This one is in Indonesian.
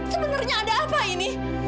sebenarnya ada apa ini